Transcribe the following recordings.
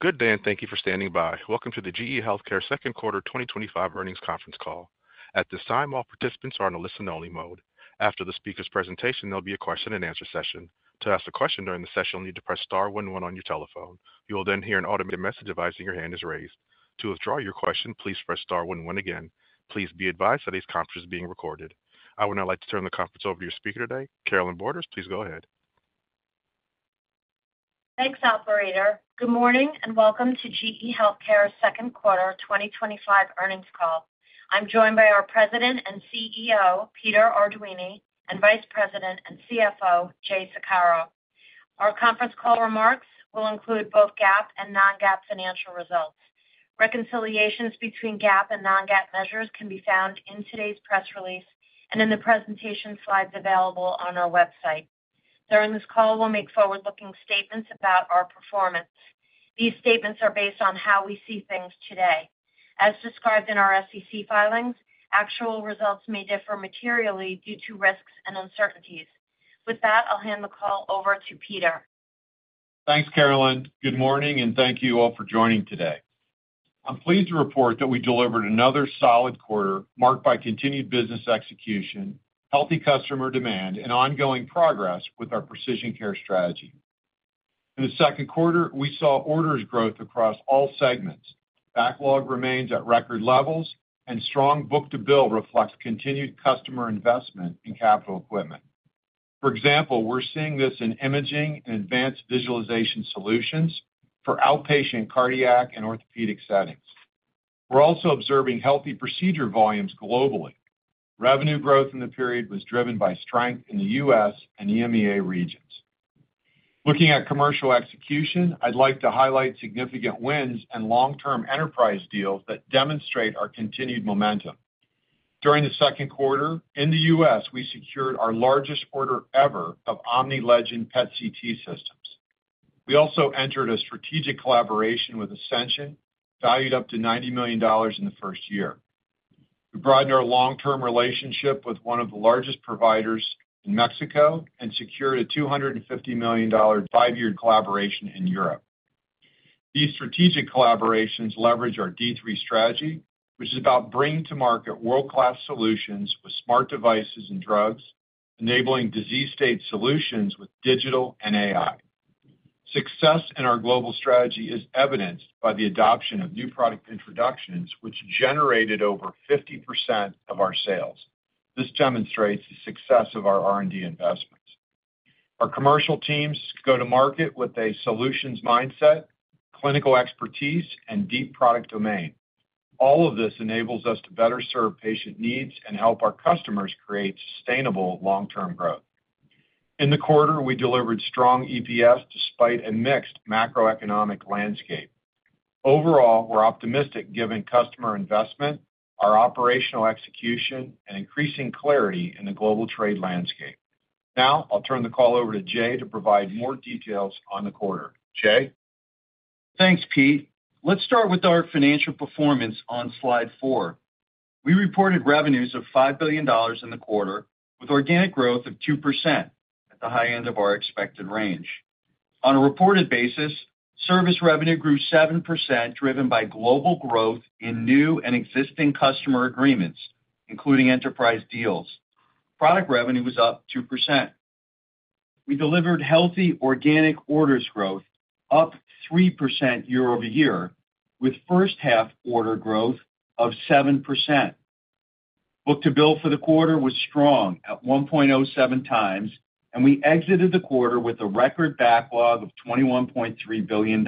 Good day, and thank you for standing by. Welcome to the GE HealthCare second quarter 2025 earnings conference call. At this time, all participants are in a listen-only mode. After the speaker's presentation, there'll be a question-and-answer session. To ask a question during the session, you'll need to press Star one one on your telephone. You will then hear an automated message advising your hand is raised. To withdraw your question, please press Star one one again. Please be advised that this conference is being recorded. I would now like to turn the conference over to your speaker today, Carolynne Borders. Please go ahead. Thanks, Operator. Good morning and welcome to GE HealthCare Second Quarter 2025 earnings call. I'm joined by our President and CEO, Peter Arduini, and Vice President and CFO, Jay Saccaro. Our conference call remarks will include both GAAP and non-GAAP financial results. Reconciliations between GAAP and non-GAAP measures can be found in today's press release and in the presentation slides available on our website. During this call, we'll make forward-looking statements about our performance. These statements are based on how we see things today. As described in our SEC filings, actual results may differ materially due to risks and uncertainties. With that, I'll hand the call over to Peter. Thanks, Carolynne. Good morning, and thank you all for joining today. I'm pleased to report that we delivered another solid quarter marked by continued business execution, healthy customer demand, and ongoing progress with our precision care strategy. In the second quarter, we saw orders growth across all segments. Backlog remains at record levels, and strong book-to-bill reflects continued customer investment in capital equipment. For example, we're seeing this in imaging and advanced visualization solutions for outpatient cardiac and orthopedic settings. We're also observing healthy procedure volumes globally. Revenue growth in the period was driven by strength in the U.S. and EMEA regions. Looking at commercial execution, I'd like to highlight significant wins and long-term enterprise deals that demonstrate our continued momentum. During the second quarter, in the U.S., we secured our largest order ever of Omni Legend and PET CT systems. We also entered a strategic collaboration with Ascension, valued up to $90 million in the first year. We broadened our long-term relationship with one of the largest providers in Mexico and secured a $250 million five-year collaboration in Europe. These strategic collaborations leverage our D3 strategy, which is about bringing to market world-class solutions with smart devices and drugs, enabling disease state solutions with digital and AI. Success in our global strategy is evidenced by the adoption of new product introductions, which generated over 50% of our sales. This demonstrates the success of our R&D investments. Our commercial teams go to market with a solutions mindset, clinical expertise, and deep product domain. All of this enables us to better serve patient needs and help our customers create sustainable long-term growth. In the quarter, we delivered strong EPS despite a mixed macroeconomic landscape. Overall, we're optimistic given customer investment, our operational execution, and increasing clarity in the global trade landscape. Now, I'll turn the call over to Jay to provide more details on the quarter. Jay? Thanks, Pete. Let's start with our financial performance on slide four. We reported revenues of $5 billion in the quarter, with organic growth of 2% at the high end of our expected range. On a reported basis, service revenue grew 7%, driven by global growth in new and existing customer agreements, including enterprise deals. Product revenue was up 2%. We delivered healthy organic orders growth, up 3% year over year, with first-half order growth of 7%. Book-to-bill for the quarter was strong at 1.07 times, and we exited the quarter with a record backlog of $21.3 billion.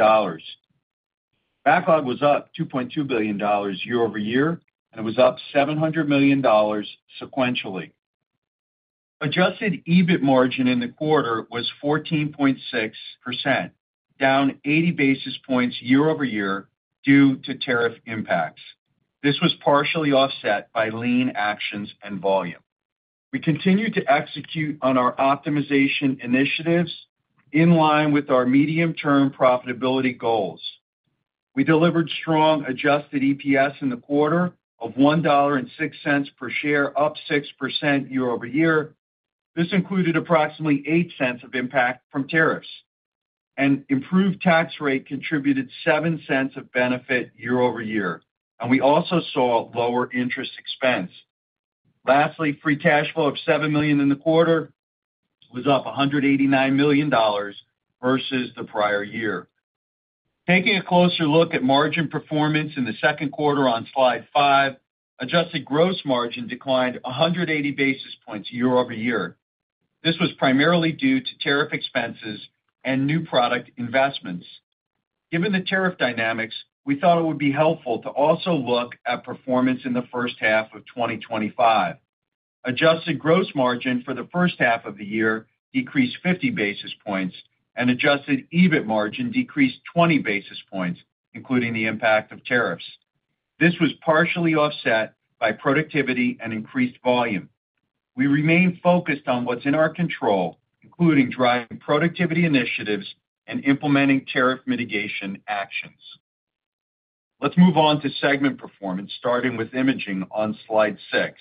Backlog was up $2.2 billion year over year, and it was up $700 million sequentially. Adjusted EBIT margin in the quarter was 14.6%, down 80 basis points year over year due to tariff impacts. This was partially offset by lean actions and volume. We continued to execute on our optimization initiatives in line with our medium-term profitability goals. We delivered strong Adjusted EPS in the quarter of $1.06 per share, up 6% year over year. This included approximately $0.08 of impact from tariffs. An improved tax rate contributed $0.07 of benefit year over year, and we also saw lower interest expense. Lastly, free cash flow of $7 million in the quarter was up $189 million versus the prior year. Taking a closer look at margin performance in the second quarter on slide five, adjusted gross margin declined 180 basis points year over year. This was primarily due to tariff expenses and new product investments. Given the tariff dynamics, we thought it would be helpful to also look at performance in the first half of 2025. Adjusted gross margin for the first half of the year decreased 50 basis points, and adjusted EBIT margin decreased 20 basis points, including the impact of tariffs. This was partially offset by productivity and increased volume. We remain focused on what's in our control, including driving productivity initiatives and implementing tariff mitigation actions. Let's move on to segment performance, starting with imaging on slide six.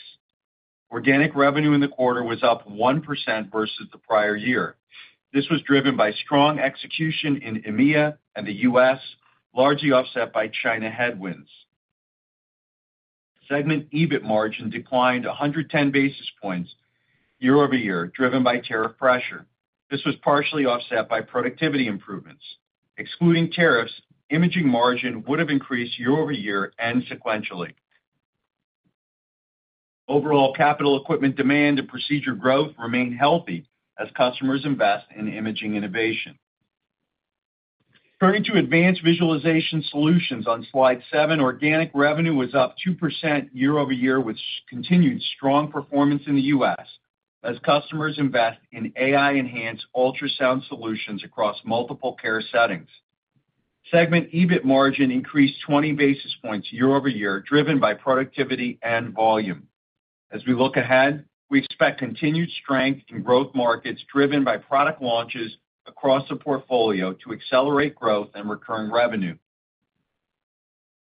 Organic revenue in the quarter was up 1% versus the prior year. This was driven by strong execution in EMEA and the U.S., largely offset by China headwinds. Segment EBIT margin declined 110 basis points year over year, driven by tariff pressure. This was partially offset by productivity improvements. Excluding tariffs, imaging margin would have increased year over year and sequentially. Overall capital equipment demand and procedure growth remain healthy as customers invest in imaging innovation. Turning to advanced visualization solutions on slide seven, organic revenue was up 2% year over year, with continued strong performance in the U.S. as customers invest in AI-enhanced ultrasound solutions across multiple care settings. Segment EBIT margin increased 20 basis points year over year, driven by productivity and volume. As we look ahead, we expect continued strength in growth markets driven by product launches across the portfolio to accelerate growth and recurring revenue.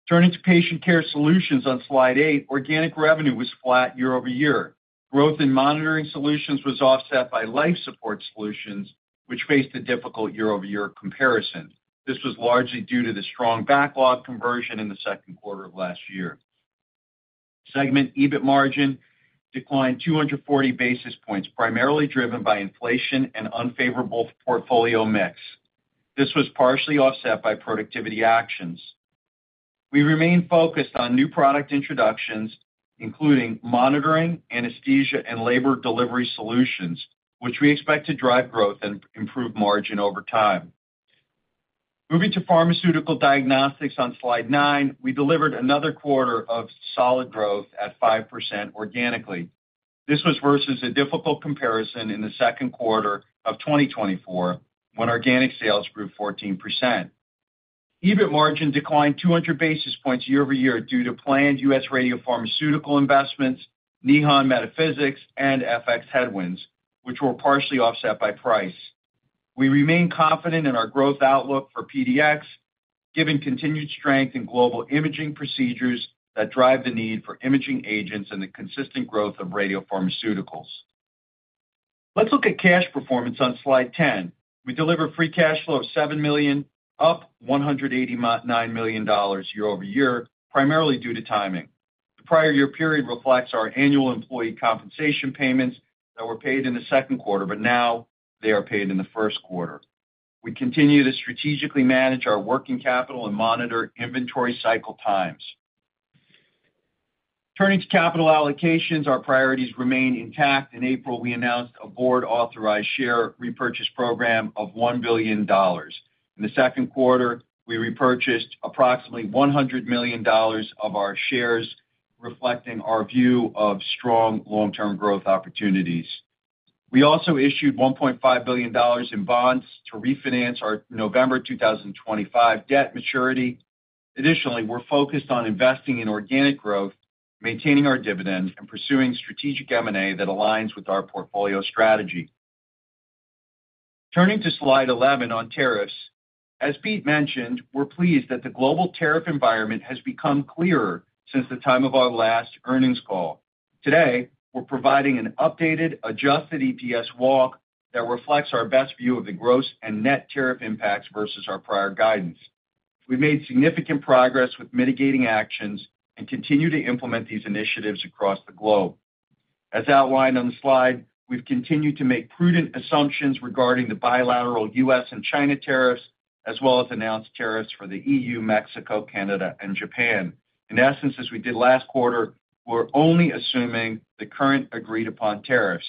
Turning to patient care solutions on slide eight, organic revenue was flat year over year. Growth in monitoring solutions was offset by life support solutions, which faced a difficult year-over-year comparison. This was largely due to the strong backlog conversion in the second quarter of last year. Segment EBIT margin declined 240 basis points, primarily driven by inflation and unfavorable portfolio mix. This was partially offset by productivity actions. We remain focused on new product introductions, including monitoring, anesthesia, and labor delivery solutions, which we expect to drive growth and improve margin over time. Moving to pharmaceutical diagnostics on slide nine, we delivered another quarter of solid growth at 5% organically. This was versus a difficult comparison in the second quarter of 2024 when organic sales grew 14%. EBIT margin declined 200 basis points year over year due to planned U.S. radiopharmaceutical investments, Nihon Medi-Physics, and FX headwinds, which were partially offset by price. We remain confident in our growth outlook for PDX, given continued strength in global imaging procedures that drive the need for imaging agents and the consistent growth of radiopharmaceuticals. Let's look at cash performance on slide ten. We delivered free cash flow of $7 million, up $189 million year over year, primarily due to timing. The prior year period reflects our annual employee compensation payments that were paid in the second quarter, but now they are paid in the first quarter. We continue to strategically manage our working capital and monitor inventory cycle times. Turning to capital allocations, our priorities remain intact. In April, we announced a board-authorized share repurchase program of $1 billion. In the second quarter, we repurchased approximately $100 million of our shares, reflecting our view of strong long-term growth opportunities. We also issued $1.5 billion in bonds to refinance our November 2025 debt maturity. Additionally, we're focused on investing in organic growth, maintaining our dividend, and pursuing strategic M&A that aligns with our portfolio strategy. Turning to slide 11 on tariffs, as Pete mentioned, we're pleased that the global tariff environment has become clearer since the time of our last earnings call. Today, we're providing an updated Adjusted EPS walk that reflects our best view of the gross and net tariff impacts versus our prior guidance. We've made significant progress with mitigating actions and continue to implement these initiatives across the globe. As outlined on the slide, we've continued to make prudent assumptions regarding the bilateral U.S. and China tariffs, as well as announced tariffs for the EU, Mexico, Canada, and Japan. In essence, as we did last quarter, we're only assuming the current agreed-upon tariffs.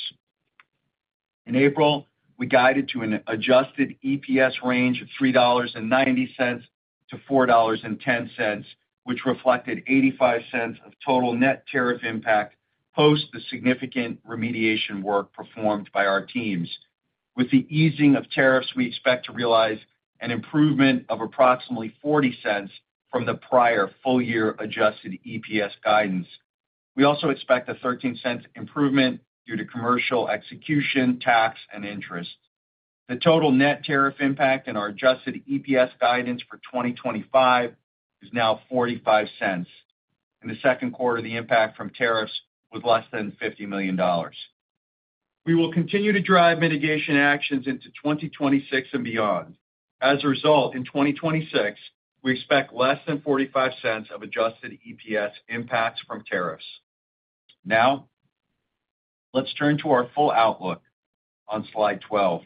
In April, we guided to an Adjusted EPS range of $3.90-$4.10, which reflected $0.85 of total net tariff impact post the significant remediation work performed by our teams. With the easing of tariffs, we expect to realize an improvement of approximately $0.40 from the prior full-year Adjusted EPS guidance. We also expect a $0.13 improvement due to commercial execution, tax, and interest. The total net tariff impact in our Adjusted EPS guidance for 2025 is now $0.45. In the second quarter, the impact from tariffs was less than $50 million. We will continue to drive mitigation actions into 2026 and beyond. As a result, in 2026, we expect less than $0.45 of Adjusted EPS impacts from tariffs. Now. Let's turn to our full outlook on slide 12.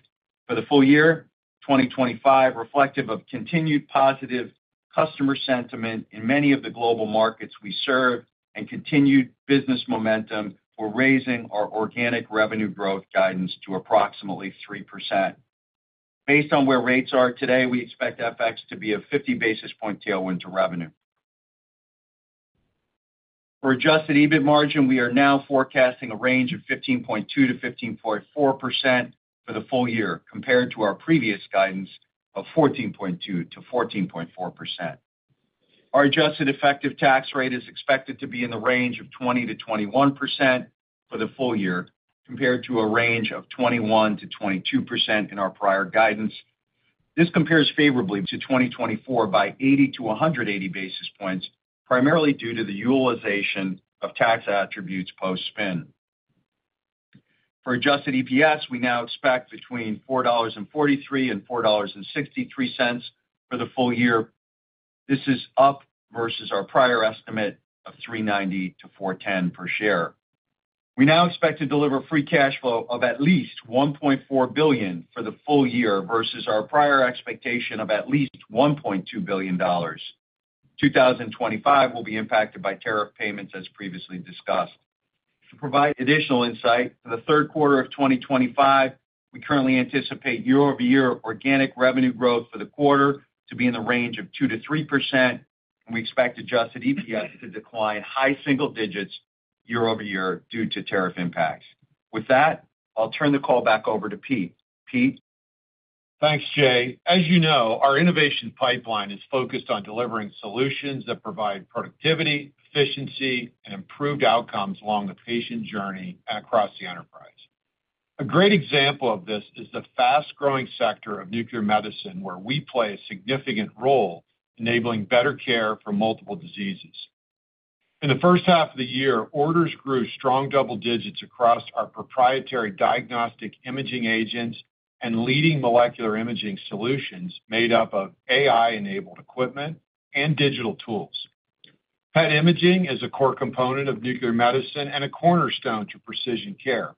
For the full year, 2025, reflective of continued positive customer sentiment in many of the global markets we serve and continued business momentum, we're raising our organic revenue growth guidance to approximately 3%. Based on where rates are today, we expect FX to be a 50 basis point tailwind to revenue. For adjusted EBIT margin, we are now forecasting a range of 15.2%-15.4% for the full year, compared to our previous guidance of 14.2%-14.4%. Our adjusted effective tax rate is expected to be in the range of 20%-21% for the full year, compared to a range of 21%-22% in our prior guidance. This compares favorably to 2024 by 80% to 180 basis points, primarily due to the utilization of tax attributes post-SPIN. For Adjusted EPS, we now expect between $4.43 and $4.63 for the full year. This is up versus our prior estimate of $3.90-$4.10 per share. We now expect to deliver free cash flow of at least $1.4 billion for the full year versus our prior expectation of at least $1.2 billion. 2025 will be impacted by tariff payments, as previously discussed. To provide additional insight, for the third quarter of 2025, we currently anticipate year-over-year organic revenue growth for the quarter to be in the range of 2%-3%, and we expect Adjusted EPS to decline high single digits year-over-year due to tariff impacts. With that, I'll turn the call back over to Pete. Pete. Thanks, Jay. As you know, our innovation pipeline is focused on delivering solutions that provide productivity, efficiency, and improved outcomes along the patient journey across the enterprise. A great example of this is the fast-growing sector of nuclear medicine, where we play a significant role enabling better care for multiple diseases. In the first half of the year, orders grew strong double digits across our proprietary diagnostic imaging agents and leading molecular imaging solutions made up of AI-enabled equipment and digital tools. PET imaging is a core component of nuclear medicine and a cornerstone to precision care.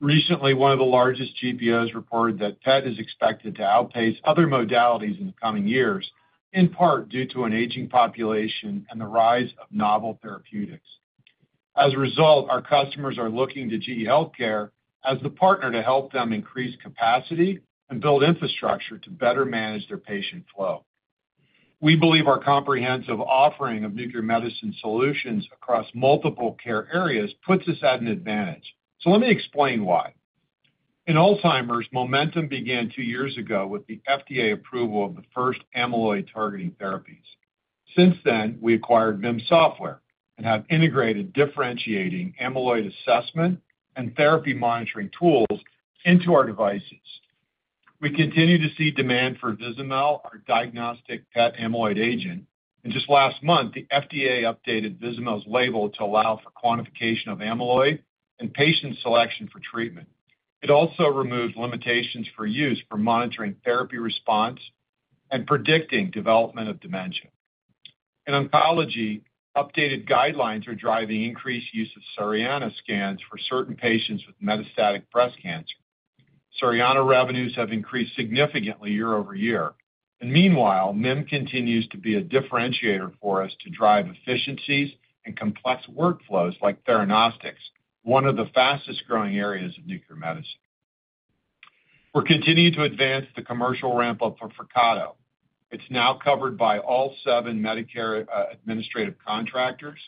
Recently, one of the largest GPOs reported that PET is expected to outpace other modalities in the coming years, in part due to an aging population and the rise of novel therapeutics. As a result, our customers are looking to GE HealthCare as the partner to help them increase capacity and build infrastructure to better manage their patient flow. We believe our comprehensive offering of nuclear medicine solutions across multiple care areas puts us at an advantage. So let me explain why. In Alzheimer's, momentum began two years ago with the FDA approval of the first amyloid-targeting therapies. Since then, we acquired Vim Software and have integrated differentiating amyloid assessment and therapy monitoring tools into our devices. We continue to see demand for Vizamyl, our diagnostic PET amyloid agent. And just last month, the FDA updated Vizamyl's label to allow for quantification of amyloid and patient selection for treatment. It also removed limitations for use for monitoring therapy response and predicting development of dementia. In oncology, updated guidelines are driving increased use of Cerianna scans for certain patients with metastatic breast cancer. Cerianna revenues have increased significantly year-over-year. Meanwhile, MIM Software continues to be a differentiator for us to drive efficiencies and complex workflows like theranostics, one of the fastest-growing areas of nuclear medicine. We're continuing to advance the commercial ramp-up for FRCATO. It's now covered by all seven Medicare administrative contractors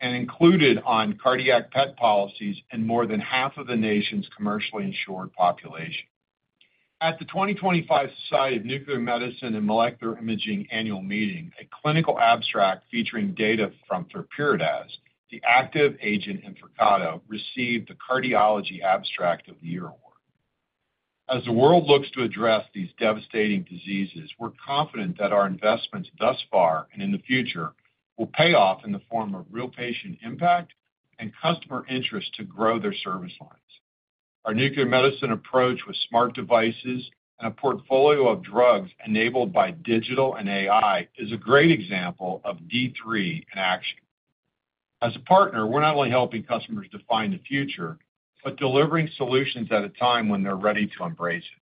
and included on cardiac PET policies in more than half of the nation's commercially insured population. At the 2025 Society of Nuclear Medicine and Molecular Imaging annual meeting, a clinical abstract featuring data from Flurpiridaz, the active agent in FRCATO, received the Cardiology Abstract of the Year Award. As the world looks to address these devastating diseases, we're confident that our investments thus far and in the future will pay off in the form of real patient impact and customer interest to grow their service lines. Our nuclear medicine approach with smart devices and a portfolio of drugs enabled by digital and AI is a great example of D3 in action. As a partner, we're not only helping customers define the future, but delivering solutions at a time when they're ready to embrace it.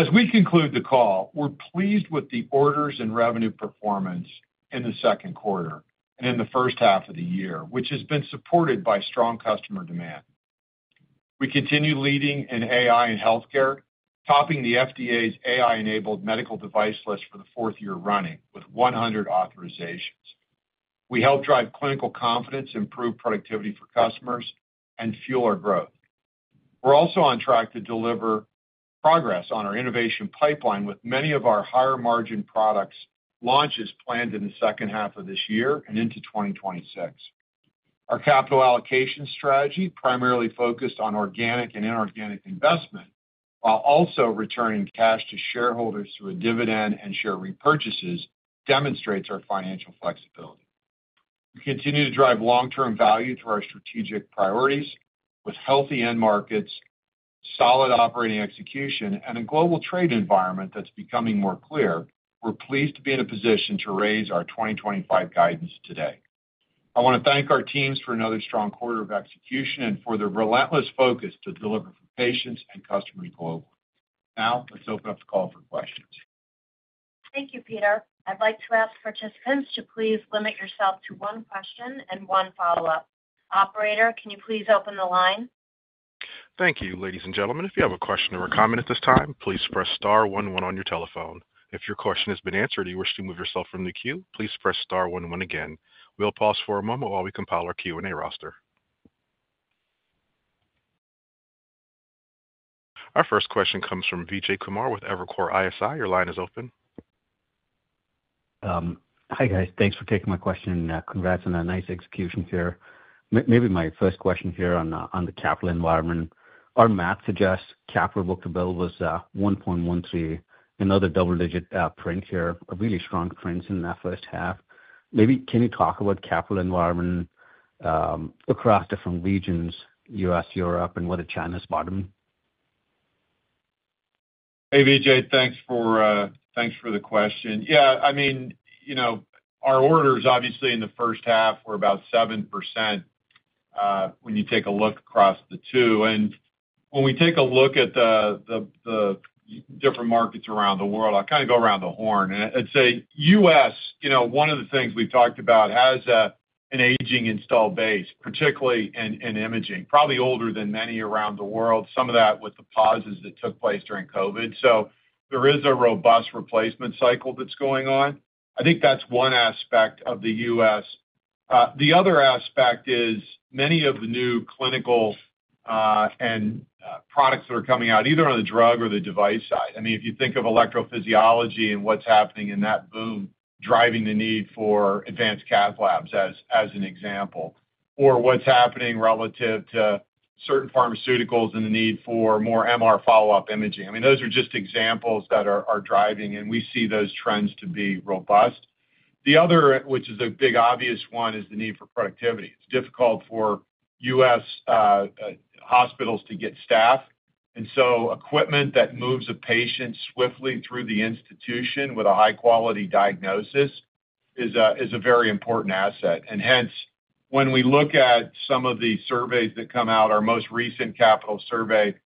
As we conclude the call, we're pleased with the orders and revenue performance in the second quarter and in the first half of the year, which has been supported by strong customer demand. We continue leading in AI in healthcare, topping the FDA's AI-enabled medical device list for the fourth year running with 100 authorizations. We help drive clinical confidence, improve productivity for customers, and fuel our growth. We're also on track to deliver progress on our innovation pipeline with many of our higher-margin products launches planned in the second half of this year and into 2026. Our capital allocation strategy, primarily focused on organic and inorganic investment, while also returning cash to shareholders through a dividend and share repurchases, demonstrates our financial flexibility. We continue to drive long-term value through our strategic priorities with healthy end markets, solid operating execution, and a global trade environment that's becoming more clear. We're pleased to be in a position to raise our 2025 guidance today. I want to thank our teams for another strong quarter of execution and for their relentless focus to deliver for patients and customers globally. Now, let's open up the call for questions. Thank you, Peter. I'd like to ask participants to please limit yourself to one question and one follow-up. Operator, can you please open the line? Thank you, ladies and gentlemen. If you have a question or a comment at this time, please press Star one one on your telephone. If your question has been answered and you wish to move yourself from the queue, please press Star one one again. We'll pause for a moment while we compile our Q&A roster. Our first question comes from Vijay Kumar with Evercore ISI. Your line is open. Hi, guys. Thanks for taking my question. Congrats on a nice execution here. Maybe my first question here on the capital environment. Our math suggests capital book-to-bill was 1.13, another double-digit print here, a really strong print in that first half. Maybe can you talk about capital environment. Across different regions, U.S., Europe, and whether China's bottom? Hey, Vijay, thanks for the question. Yeah, I mean, our orders, obviously, in the first half were about 7%. When you take a look across the two, and when we take a look at the different markets around the world, I kind of go around the horn. I'd say U.S., one of the things we've talked about has an aging install base, particularly in imaging, probably older than many around the world, some of that with the pauses that took place during COVID. There is a robust replacement cycle that's going on. I think that's one aspect of the U.S. The other aspect is many of the new clinical and products that are coming out either on the drug or the device side. I mean, if you think of electrophysiology and what's happening in that boom, driving the need for advanced cath labs as an example, or what's happening relative to certain pharmaceuticals and the need for more MR follow-up imaging. I mean, those are just examples that are driving, and we see those trends to be robust. The other, which is a big obvious one, is the need for productivity. It's difficult for U.S. hospitals to get staff, and so equipment that moves a patient swiftly through the institution with a high-quality diagnosis is a very important asset. Hence, when we look at some of the surveys that come out, our most recent capital survey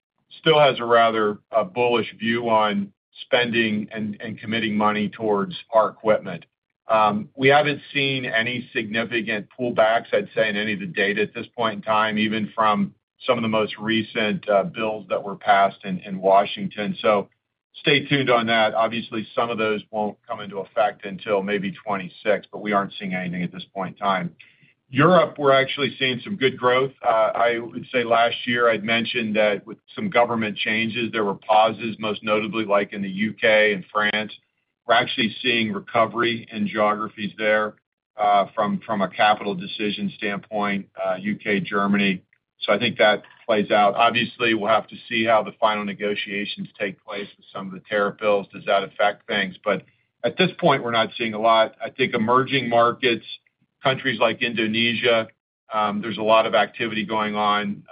still has a rather bullish view on spending and committing money towards our equipment. We haven't seen any significant pullbacks, I'd say, in any of the data at this point in time, even from some of the most recent bills that were passed in Washington. Stay tuned on that. Obviously, some of those won't come into effect until maybe 2026, but we aren't seeing anything at this point in time. Europe, we're actually seeing some good growth. I would say last year, I'd mentioned that with some government changes, there were pauses, most notably like in the U.K. and France. We're actually seeing recovery in geographies there from a capital decision standpoint, U.K., Germany. I think that plays out. Obviously, we'll have to see how the final negotiations take place with some of the tariff bills. Does that affect things? At this point, we're not seeing a lot. I think emerging markets, countries like Indonesia, there's a lot of activity going on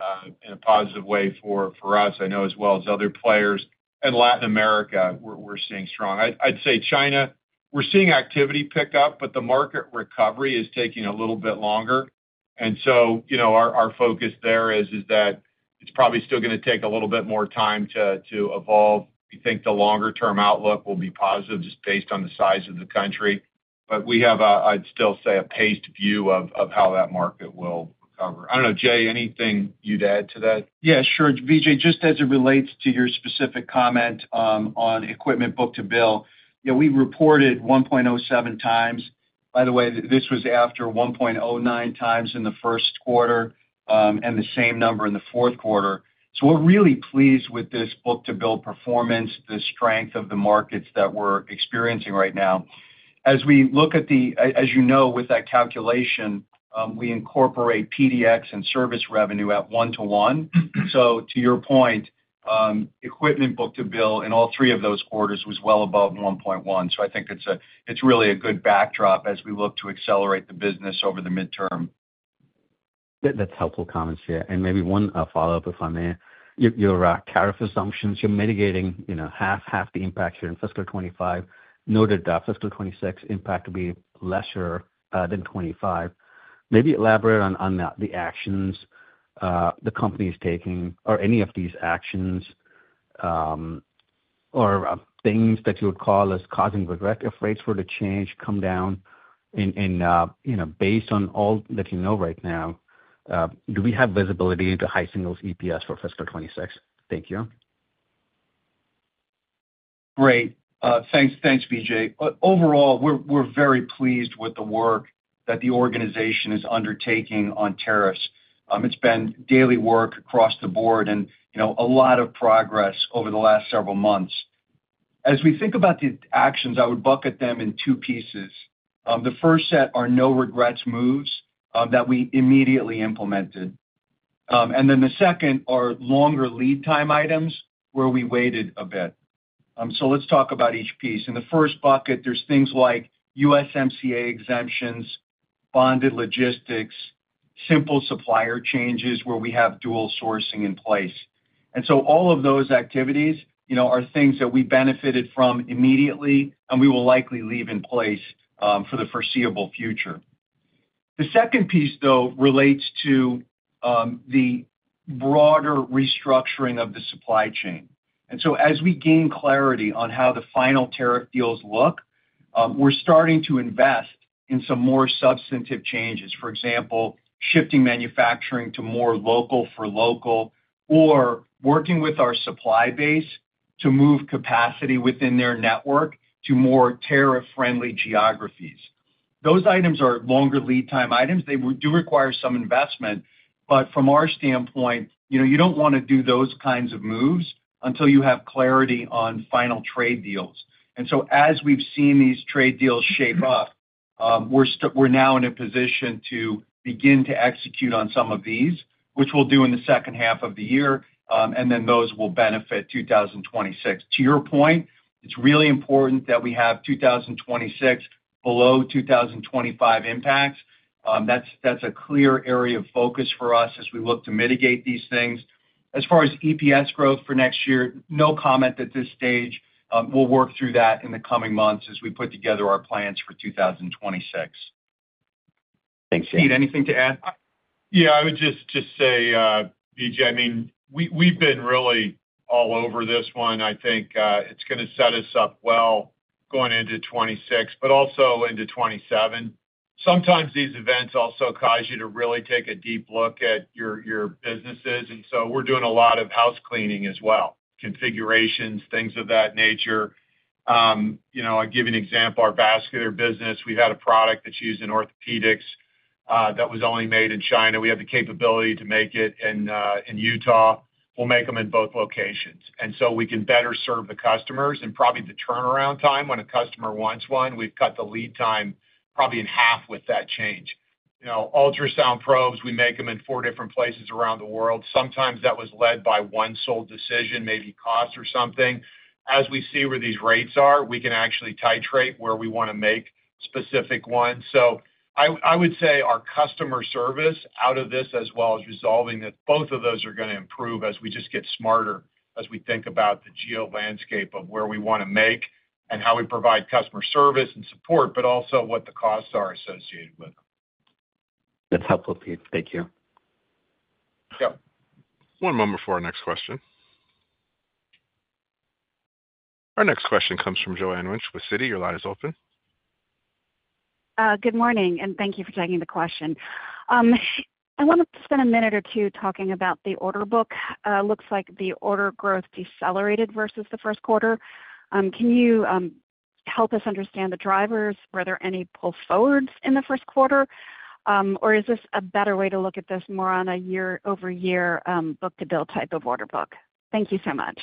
in a positive way for us, I know, as well as other players. Latin America, we're seeing strong. I'd say China, we're seeing activity pick up, but the market recovery is taking a little bit longer. Our focus there is that it's probably still going to take a little bit more time to evolve. We think the longer-term outlook will be positive just based on the size of the country. We have, I'd still say, a paced view of how that market will recover. I don't know, Jay, anything you'd add to that? Yeah, sure. Vijay, just as it relates to your specific comment on equipment book-to-bill, we reported 1.07 times. By the way, this was after 1.09 times in the first quarter and the same number in the fourth quarter. We are really pleased with this book-to-bill performance, the strength of the markets that we are experiencing right now. As we look at the, as you know, with that calculation, we incorporate PDX and service revenue at one-to-one. To your point, equipment book-to-bill in all three of those quarters was well above 1.1. I think it is really a good backdrop as we look to accelerate the business over the midterm. That's helpful comments here. Maybe one follow-up, if I may. Your tariff assumptions, you're mitigating half the impact here in fiscal 2025. Noted fiscal 2026 impact will be lesser than 2025. Maybe elaborate on the actions the company is taking or any of these actions or things that you would call as causing regret if rates were to change, come down. Based on all that you know right now, do we have visibility into high singles EPS for fiscal 2026? Thank you. Great. Thanks, Vijay. Overall, we're very pleased with the work that the organization is undertaking on tariffs. It's been daily work across the board and a lot of progress over the last several months. As we think about the actions, I would bucket them in two pieces. The first set are no regrets moves that we immediately implemented. The second are longer lead time items where we waited a bit. Let's talk about each piece. In the first bucket, there's things like USMCA exemptions, bonded logistics, simple supplier changes where we have dual sourcing in place. All of those activities are things that we benefited from immediately and we will likely leave in place for the foreseeable future. The second piece, though, relates to the broader restructuring of the supply chain. As we gain clarity on how the final tariff deals look, we're starting to invest in some more substantive changes. For example, shifting manufacturing to more local for local or working with our supply base to move capacity within their network to more tariff-friendly geographies. Those items are longer lead time items. They do require some investment. From our standpoint, you don't want to do those kinds of moves until you have clarity on final trade deals. As we've seen these trade deals shape up, we're now in a position to begin to execute on some of these, which we'll do in the second half of the year. Those will benefit 2026. To your point, it's really important that we have 2026 below 2025 impacts. That's a clear area of focus for us as we look to mitigate these things. As far as EPS growth for next year, no comment at this stage. We'll work through that in the coming months as we put together our plans for 2026. Thanks, Jay. Pete, anything to add? Yeah, I would just say. Vijay, I mean, we've been really all over this one. I think it's going to set us up well going into 2026, but also into 2027. Sometimes these events also cause you to really take a deep look at your businesses. And so we're doing a lot of house cleaning as well, configurations, things of that nature. I'll give you an example. Our vascular business, we had a product that's used in orthopedics that was only made in China. We have the capability to make it in Utah. We'll make them in both locations. And so we can better serve the customers and probably the turnaround time when a customer wants one. We've cut the lead time probably in half with that change. Ultrasound probes, we make them in four different places around the world. Sometimes that was led by one sole decision, maybe cost or something. As we see where these rates are, we can actually titrate where we want to make specific ones. So I would say our customer service out of this, as well as resolving this, both of those are going to improve as we just get smarter as we think about the geolandscape of where we want to make and how we provide customer service and support, but also what the costs are associated with them. That's helpful, Pete. Thank you. Yeah. One moment before our next question. Our next question comes from Joanne Wuensch with Citi. Your line is open. Good morning, and thank you for taking the question. I want to spend a minute or two talking about the order book. Looks like the order growth decelerated versus the first quarter. Can you help us understand the drivers? Were there any pull forwards in the first quarter? Or is this a better way to look at this more on a year-over-year book-to-bill type of order book? Thank you so much.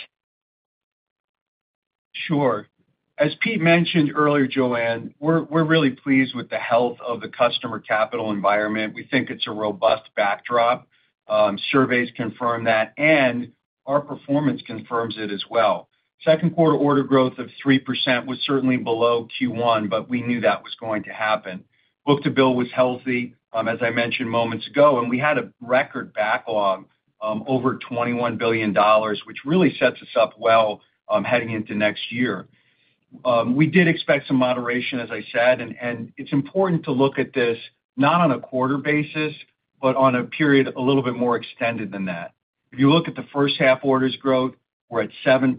Sure. As Pete mentioned earlier, Joanne, we're really pleased with the health of the customer capital environment. We think it's a robust backdrop. Surveys confirm that, and our performance confirms it as well. Second quarter order growth of 3% was certainly below Q1, but we knew that was going to happen. Book-to-bill was healthy, as I mentioned moments ago, and we had a record backlog over $21 billion, which really sets us up well heading into next year. We did expect some moderation, as I said, and it's important to look at this not on a quarter basis, but on a period a little bit more extended than that. If you look at the first half orders growth, we're at 7%.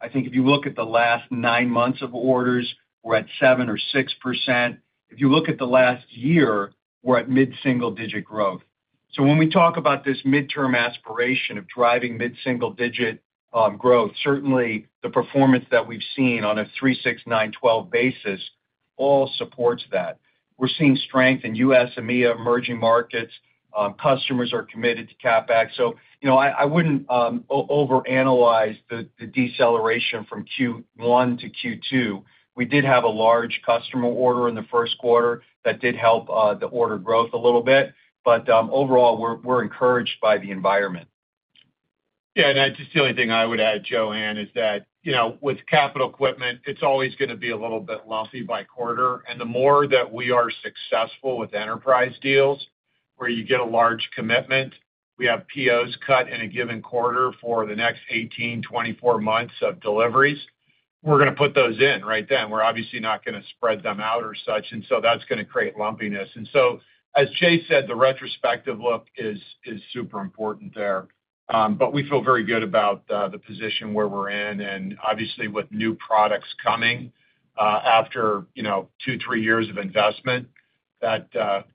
I think if you look at the last nine months of orders, we're at 7% or 6%. If you look at the last year, we're at mid-single-digit growth. When we talk about this midterm aspiration of driving mid-single-digit growth, certainly the performance that we've seen on a 3, 6, 9, 12 basis all supports that. We're seeing strength in U.S., M.E., emerging markets. Customers are committed to CapEx. I wouldn't overanalyze the deceleration from Q1 to Q2. We did have a large customer order in the first quarter that did help the order growth a little bit. Overall, we're encouraged by the environment. Yeah, and just the only thing I would add, Joanne, is that with capital equipment, it's always going to be a little bit lumpy by quarter. The more that we are successful with enterprise deals where you get a large commitment, we have POs cut in a given quarter for the next 18, 24 months of deliveries, we're going to put those in right then. We're obviously not going to spread them out or such. That's going to create lumpiness. As Jay said, the retrospective look is super important there. We feel very good about the position where we're in. Obviously, with new products coming after two, three years of investment,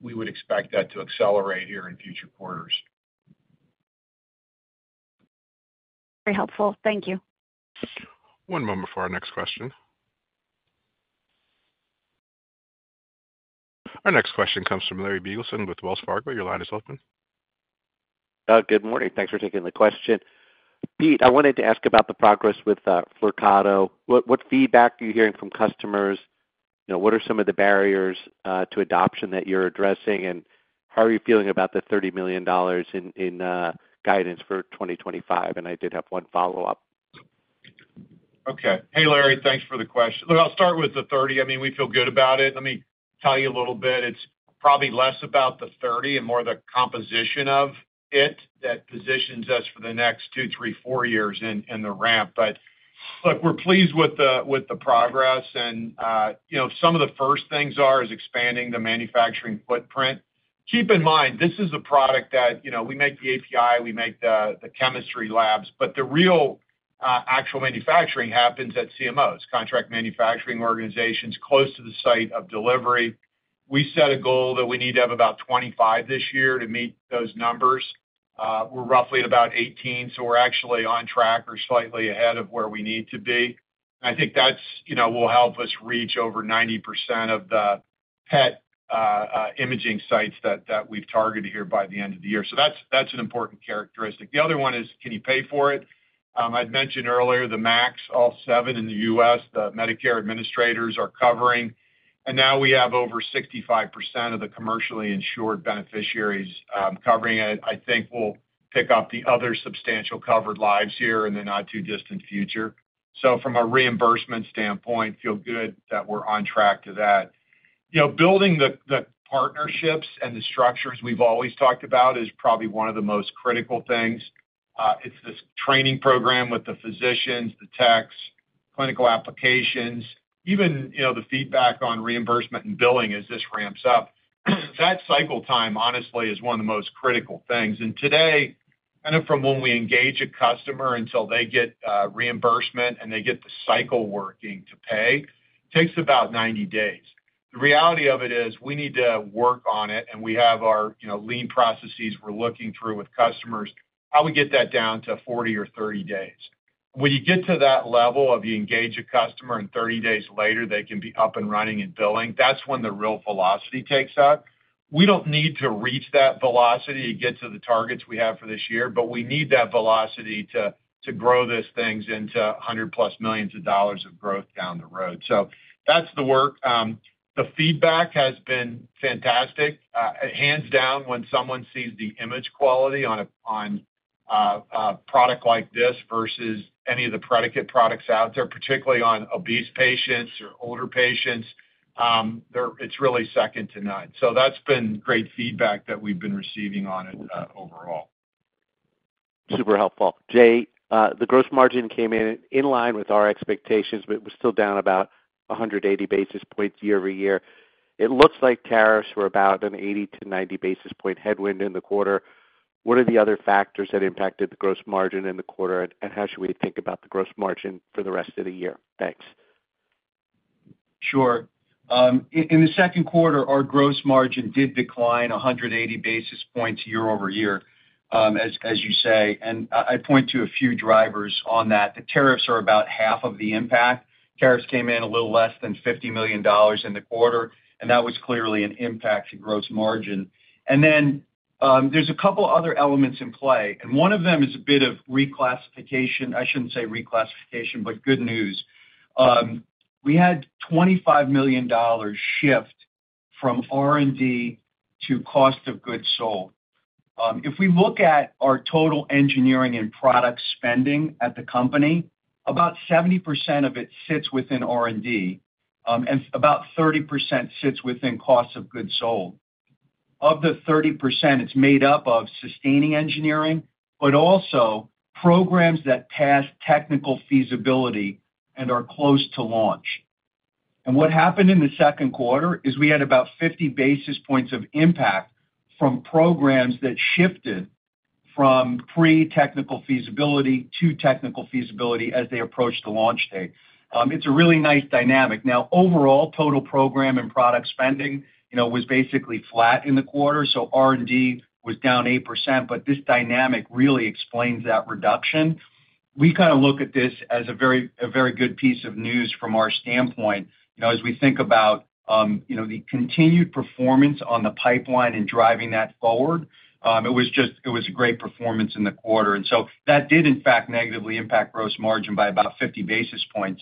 we would expect that to accelerate here in future quarters. Very helpful. Thank you. One moment before our next question. Our next question comes from Larry Biegelsen with Wells Fargo. Your line is open. Good morning. Thanks for taking the question. Pete, I wanted to ask about the progress with FRCATO. What feedback are you hearing from customers? What are some of the barriers to adoption that you're addressing? How are you feeling about the $30 million in guidance for 2025? I did have one follow-up. Okay. Hey, Larry, thanks for the question. Look, I'll start with the 30. I mean, we feel good about it. Let me tell you a little bit. It's probably less about the 30 and more the composition of it that positions us for the next two, three, four years in the ramp. Look, we're pleased with the progress. Some of the first things are expanding the manufacturing footprint. Keep in mind, this is a product that we make the API, we make the chemistry labs. The real actual manufacturing happens at CMOs, contract manufacturing organizations close to the site of delivery. We set a goal that we need to have about 25 this year to meet those numbers. We're roughly at about 18. We're actually on track or slightly ahead of where we need to be. I think that will help us reach over 90% of the PET imaging sites that we've targeted here by the end of the year. That's an important characteristic. The other one is, can you pay for it? I'd mentioned earlier the max all seven in the U.S., the Medicare administrators are covering. Now we have over 65% of the commercially insured beneficiaries covering it. I think we'll pick up the other substantial covered lives here in the not-too-distant future. From a reimbursement standpoint, feel good that we're on track to that. Building the partnerships and the structures we've always talked about is probably one of the most critical things. It's this training program with the physicians, the techs, clinical applications, even the feedback on reimbursement and billing as this ramps up. That cycle time, honestly, is one of the most critical things. Today, kind of from when we engage a customer until they get reimbursement and they get the cycle working to pay, takes about 90 days. The reality of it is we need to work on it, and we have our lean processes we're looking through with customers, how we get that down to 40 or 30 days. When you get to that level of you engage a customer and 30 days later, they can be up and running and billing, that's when the real velocity takes up. We don't need to reach that velocity to get to the targets we have for this year, but we need that velocity to grow these things into 100-plus millions of dollars of growth down the road. That's the work. The feedback has been fantastic. Hands down, when someone sees the image quality on a product like this versus any of the predicate products out there, particularly on obese patients or older patients, it's really second to none. That's been great feedback that we've been receiving on it overall. Super helpful. Jay, the gross margin came in line with our expectations, but it was still down about 180 basis points year over year. It looks like tariffs were about an 80-90 basis point headwind in the quarter. What are the other factors that impacted the gross margin in the quarter, and how should we think about the gross margin for the rest of the year? Thanks. Sure. In the second quarter, our gross margin did decline 180 basis points year over year, as you say. I point to a few drivers on that. The tariffs are about half of the impact. Tariffs came in a little less than $50 million in the quarter, and that was clearly an impact to gross margin. Then there are a couple of other elements in play. One of them is a bit of reclassification. I should not say reclassification, but good news. We had $25 million shift from R&D to cost of goods sold. If we look at our total engineering and product spending at the company, about 70% of it sits within R&D, and about 30% sits within cost of goods sold. Of the 30%, it is made up of sustaining engineering, but also programs that pass technical feasibility and are close to launch. What happened in the second quarter is we had about 50 basis points of impact from programs that shifted from pre-technical feasibility to technical feasibility as they approached the launch date. It is a really nice dynamic. Now, overall, total program and product spending was basically flat in the quarter. R&D was down 8%, but this dynamic really explains that reduction. We kind of look at this as a very good piece of news from our standpoint. As we think about the continued performance on the pipeline and driving that forward, it was a great performance in the quarter. That did, in fact, negatively impact gross margin by about 50 basis points.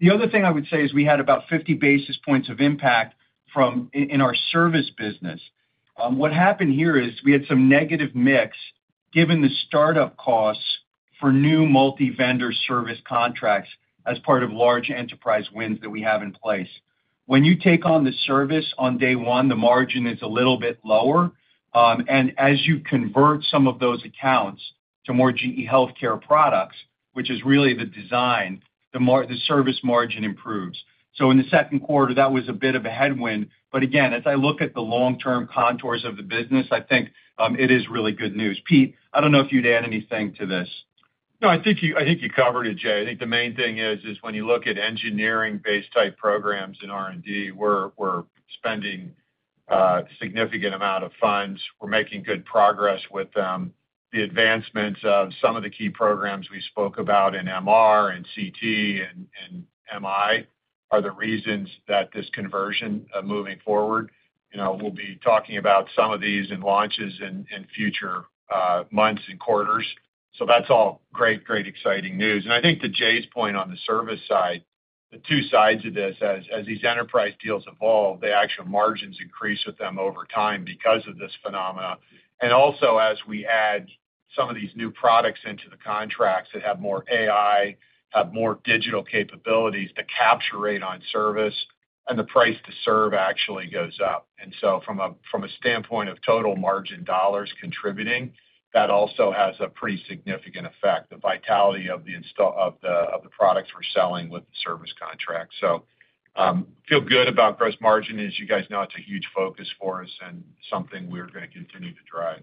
The other thing I would say is we had about 50 basis points of impact in our service business. What happened here is we had some negative mix given the startup costs for new multi-vendor service contracts as part of large enterprise wins that we have in place. When you take on the service on day one, the margin is a little bit lower. As you convert some of those accounts to more GE HealthCare products, which is really the design, the service margin improves. In the second quarter, that was a bit of a headwind. Again, as I look at the long-term contours of the business, I think it is really good news. Pete, I do not know if you would add anything to this. No, I think you covered it, Jay. I think the main thing is when you look at engineering-based type programs in R&D, we're spending a significant amount of funds. We're making good progress with them. The advancements of some of the key programs we spoke about in MR and CT and MI are the reasons that this conversion moving forward. We'll be talking about some of these in launches in future months and quarters. That's all great, great exciting news. I think to Jay's point on the service side, the two sides of this, as these enterprise deals evolve, the actual margins increase with them over time because of this phenomenon. Also, as we add some of these new products into the contracts that have more AI, have more digital capabilities, the capture rate on service, and the price to serve actually goes up. From a standpoint of total margin dollars contributing, that also has a pretty significant effect, the vitality of the products we're selling with the service contract. Feel good about gross margin is, you guys know it's a huge focus for us and something we're going to continue to drive.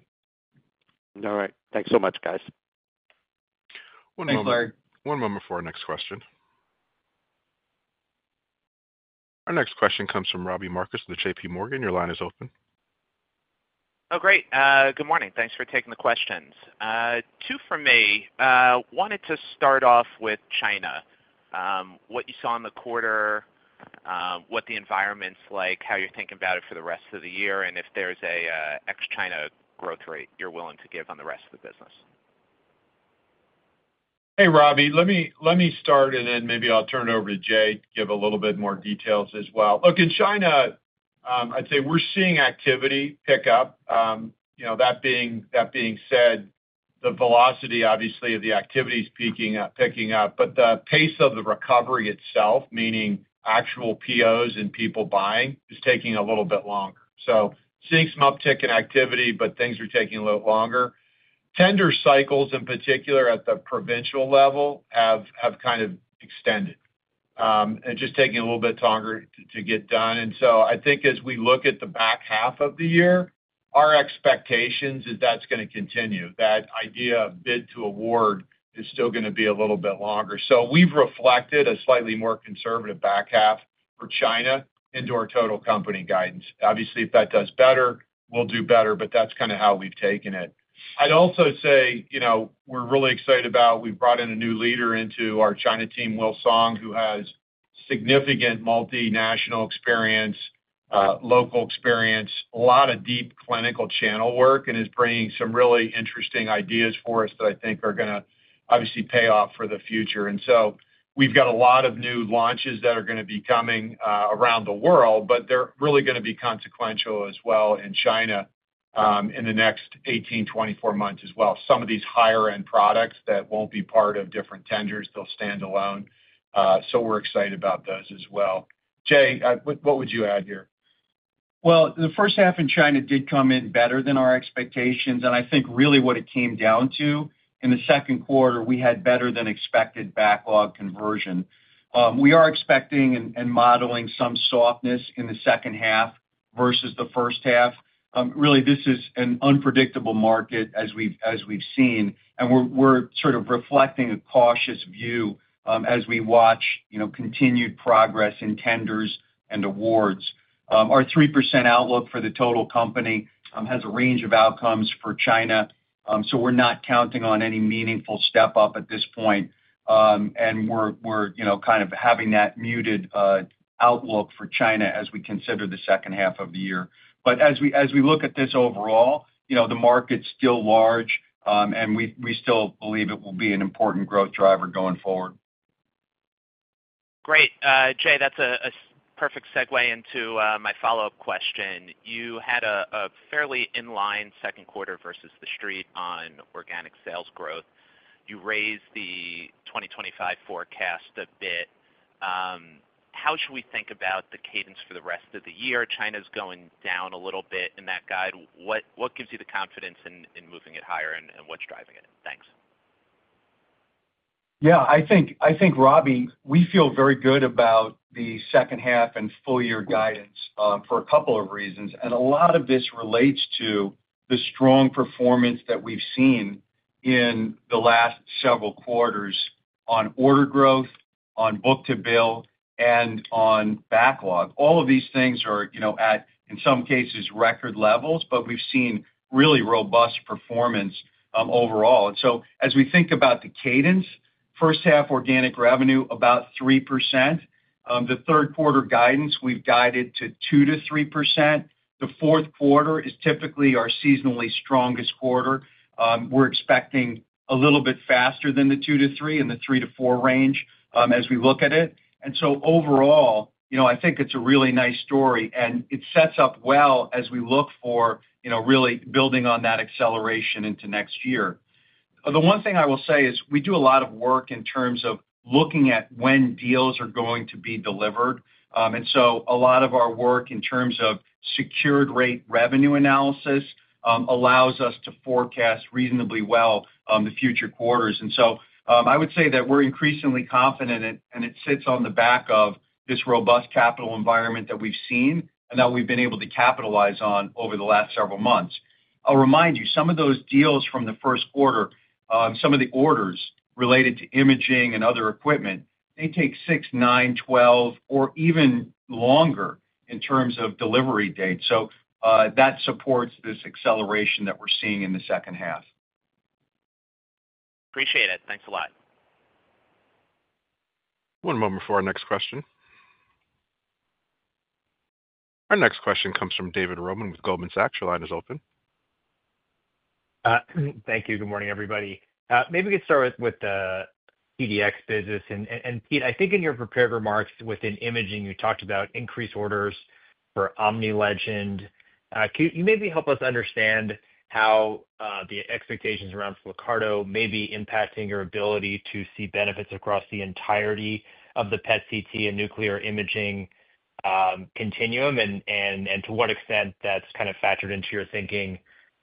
All right. Thanks so much, guys. One moment, Larry. One moment before our next question. Our next question comes from Robbie Marcus with JPMorgan. Your line is open. Oh, great. Good morning. Thanks for taking the questions. Two for me. Wanted to start off with China. What you saw in the quarter. What the environment's like, how you're thinking about it for the rest of the year, and if there's an ex-China growth rate you're willing to give on the rest of the business. Hey, Robbie. Let me start it, and then maybe I'll turn it over to Jay to give a little bit more details as well. Look, in China, I'd say we're seeing activity pick up. That being said, the velocity, obviously, of the activity is picking up. The pace of the recovery itself, meaning actual POs and people buying, is taking a little bit longer. Seeing some uptick in activity, but things are taking a little longer. Tender cycles, in particular, at the provincial level have kind of extended. Just taking a little bit longer to get done. I think as we look at the back half of the year, our expectation is that's going to continue. That idea of bid to award is still going to be a little bit longer. We've reflected a slightly more conservative back half for China into our total company guidance. Obviously, if that does better, we'll do better, but that's kind of how we've taken it. I'd also say we're really excited about we've brought in a new leader into our China team, Will Song, who has significant multinational experience, local experience, a lot of deep clinical channel work, and is bringing some really interesting ideas for us that I think are going to obviously pay off for the future. We've got a lot of new launches that are going to be coming around the world, but they're really going to be consequential as well in China. In the next 18-24 months as well. Some of these higher-end products that won't be part of different tenders, they'll stand alone. We're excited about those as well. Jay, what would you add here? The first half in China did come in better than our expectations. I think really what it came down to in the second quarter, we had better-than-expected backlog conversion. We are expecting and modeling some softness in the second half versus the first half. Really, this is an unpredictable market as we've seen. We're sort of reflecting a cautious view as we watch continued progress in tenders and awards. Our 3% outlook for the total company has a range of outcomes for China. We're not counting on any meaningful step up at this point. We're kind of having that muted outlook for China as we consider the second half of the year. As we look at this overall, the market's still large, and we still believe it will be an important growth driver going forward. Great. Jay, that's a perfect segue into my follow-up question. You had a fairly in-line second quarter versus the street on organic sales growth. You raised the 2025 forecast a bit. How should we think about the cadence for the rest of the year? China's going down a little bit in that guide. What gives you the confidence in moving it higher, and what's driving it? Thanks. Yeah, I think, Robbie, we feel very good about the second half and full-year guidance for a couple of reasons. A lot of this relates to the strong performance that we've seen in the last several quarters on order growth, on book-to-bill, and on backlog. All of these things are at, in some cases, record levels, but we've seen really robust performance overall. As we think about the cadence, first half organic revenue, about 3%. The third quarter guidance, we've guided to 2-3%. The fourth quarter is typically our seasonally strongest quarter. We're expecting a little bit faster than the 2-3% in the 3-4% range as we look at it. Overall, I think it's a really nice story. It sets up well as we look for really building on that acceleration into next year. The one thing I will say is we do a lot of work in terms of looking at when deals are going to be delivered. A lot of our work in terms of secured rate revenue analysis allows us to forecast reasonably well the future quarters. I would say that we're increasingly confident, and it sits on the back of this robust capital environment that we've seen and that we've been able to capitalize on over the last several months. I'll remind you, some of those deals from the first quarter, some of the orders related to imaging and other equipment, they take 6, 9, 12, or even longer in terms of delivery dates. That supports this acceleration that we're seeing in the second half. Appreciate it. Thanks a lot. One moment before our next question. Our next question comes from David Roman with Goldman Sachs. Your line is open. Thank you. Good morning, everybody. Maybe we could start with the PDX business. Pete, I think in your prepared remarks within Imaging, you talked about increased orders for Omni Legend. Can you maybe help us understand how the expectations around FRCATO may be impacting your ability to see benefits across the entirety of the PET/CT and nuclear imaging continuum, and to what extent that's kind of factored into your thinking,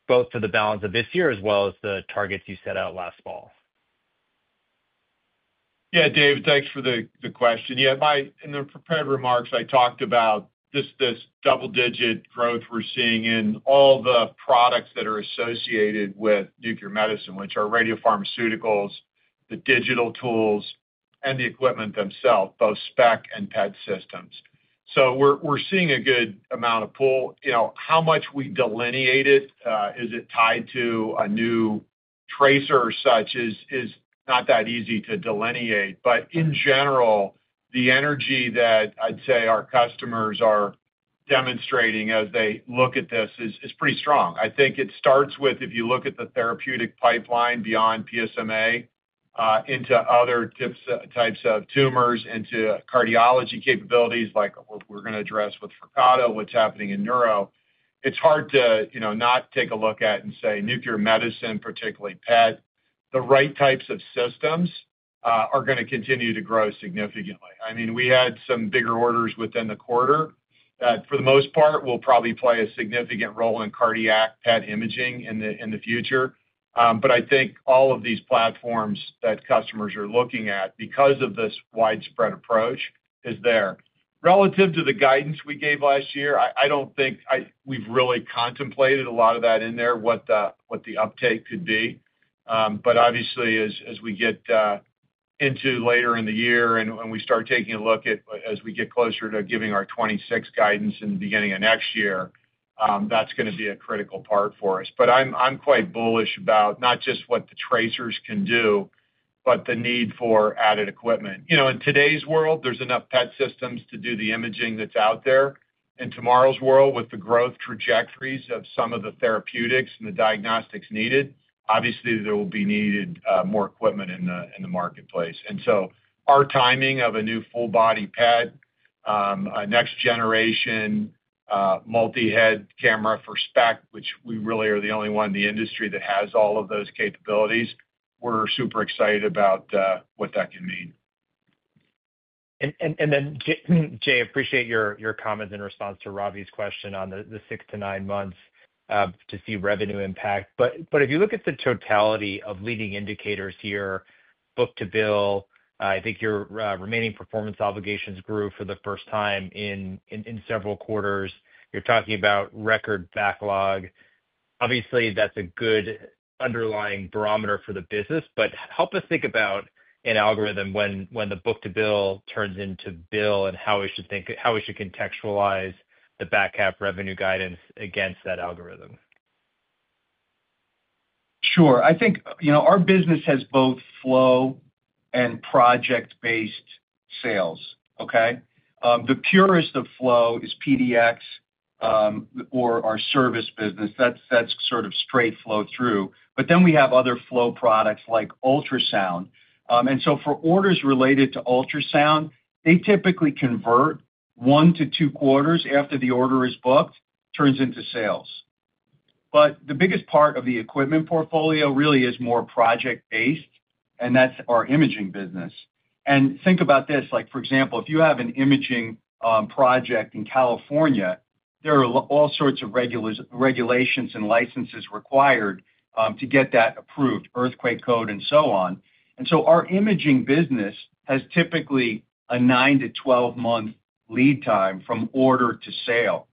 both for the balance of this year as well as the targets you set out last fall? Yeah, David, thanks for the question. Yeah, in the prepared remarks, I talked about this double-digit growth we're seeing in all the products that are associated with nuclear medicine, which are radiopharmaceuticals, the digital tools, and the equipment themselves, both SPECT and PET systems. We're seeing a good amount of pull. How much we delineate it, is it tied to a new tracer or such, is not that easy to delineate. In general, the energy that I'd say our customers are demonstrating as they look at this is pretty strong. I think it starts with, if you look at the therapeutic pipeline beyond PSMA, into other types of tumors, into cardiology capabilities like we're going to address with FRCATO, what's happening in neuro. It's hard to not take a look at and say nuclear medicine, particularly PET, the right types of systems are going to continue to grow significantly. I mean, we had some bigger orders within the quarter. For the most part, we'll probably play a significant role in cardiac PET imaging in the future. I think all of these platforms that customers are looking at because of this widespread approach is there. Relative to the guidance we gave last year, I don't think we've really contemplated a lot of that in there, what the uptake could be. Obviously, as we get into later in the year and we start taking a look at as we get closer to giving our 2026 guidance in the beginning of next year, that's going to be a critical part for us. I'm quite bullish about not just what the tracers can do, but the need for added equipment. In today's world, there's enough PET systems to do the imaging that's out there. In tomorrow's world, with the growth trajectories of some of the therapeutics and the diagnostics needed, obviously, there will be needed more equipment in the marketplace. Our timing of a new full-body PET, next-generation, multi-head camera for SPECT, which we really are the only one in the industry that has all of those capabilities, we're super excited about what that can mean. Jay, I appreciate your comments in response to Robbie's question on the six to nine months to see revenue impact. If you look at the totality of leading indicators here, book to bill, I think your remaining performance obligations grew for the first time in several quarters. You are talking about record backlog. Obviously, that is a good underlying barometer for the business. Help us think about an algorithm when the book to bill turns into bill and how we should contextualize the back half revenue guidance against that algorithm. Sure. I think our business has both flow and project-based sales, okay? The purest of flow is PDX or our service business. That's sort of straight flow through. Then we have other flow products like ultrasound. For orders related to ultrasound, they typically convert one to two quarters after the order is booked, turns into sales. The biggest part of the equipment portfolio really is more project-based, and that's our imaging business. Think about this. For example, if you have an imaging project in California, there are all sorts of regulations and licenses required to get that approved, earthquake code, and so on. Our imaging business has typically a 9-12 month lead time from order to sale.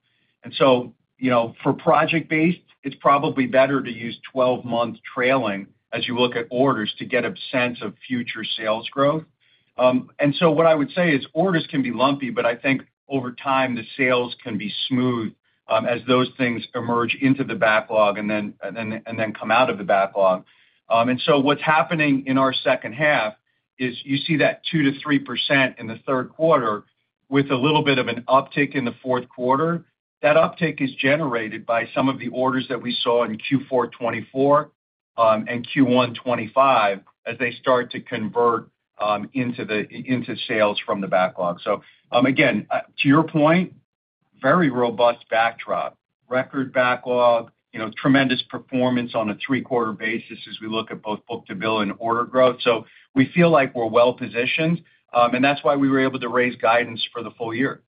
For project-based, it's probably better to use 12-month trailing as you look at orders to get a sense of future sales growth. What I would say is orders can be lumpy, but I think over time, the sales can be smooth as those things emerge into the backlog and then come out of the backlog. What's happening in our second half is you see that 2%-3% in the third quarter with a little bit of an uptick in the fourth quarter. That uptick is generated by some of the orders that we saw in Q4 2024 and Q1 2025 as they start to convert into sales from the backlog. Again, to your point, very robust backdrop, record backlog, tremendous performance on a three-quarter basis as we look at both book-to-bill and order growth. We feel like we're well positioned. That's why we were able to raise guidance for the full year.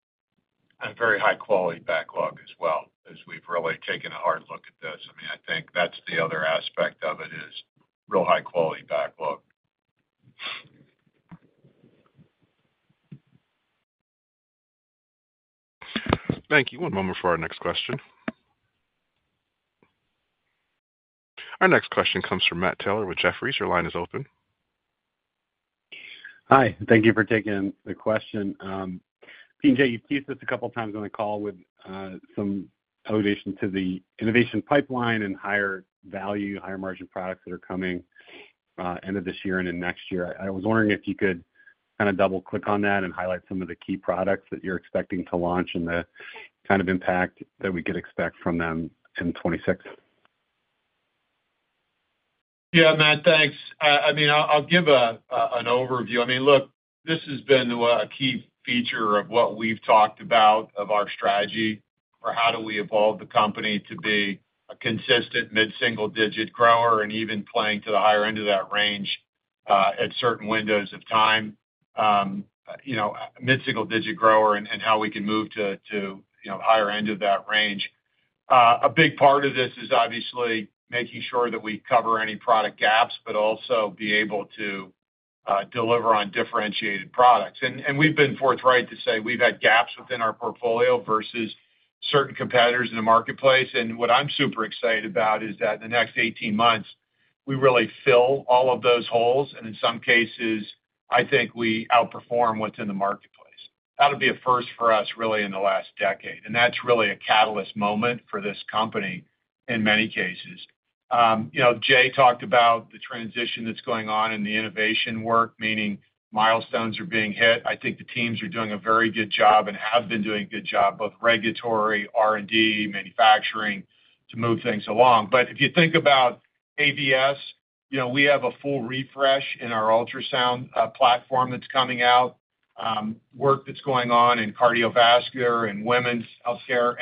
Very high-quality backlog as well as we've really taken a hard look at this. I mean, I think that's the other aspect of it is real high-quality backlog. Thank you. One moment for our next question. Our next question comes from Matt Taylor with Jefferies. Your line is open. Hi. Thank you for taking the question. P&J, you've used this a couple of times on the call with some elevation to the innovation pipeline and higher value, higher margin products that are coming. End of this year and in next year. I was wondering if you could kind of double-click on that and highlight some of the key products that you're expecting to launch and the kind of impact that we could expect from them in 2026. Yeah, Matt, thanks. I mean, I'll give an overview. I mean, look, this has been a key feature of what we've talked about of our strategy for how do we evolve the company to be a consistent mid-single-digit grower and even playing to the higher end of that range at certain windows of time. Mid-single-digit grower and how we can move to the higher end of that range. A big part of this is obviously making sure that we cover any product gaps, but also be able to deliver on differentiated products. And we've been forthright to say we've had gaps within our portfolio versus certain competitors in the marketplace. What I'm super excited about is that in the next 18 months, we really fill all of those holes. In some cases, I think we outperform what's in the marketplace. That'll be a first for us really in the last decade. That's really a catalyst moment for this company in many cases. Jay talked about the transition that's going on in the innovation work, meaning milestones are being hit. I think the teams are doing a very good job and have been doing a good job, both regulatory, R&D, manufacturing, to move things along. If you think about AVS, we have a full refresh in our ultrasound platform that's coming out. Work that's going on in cardiovascular and women's healthcare.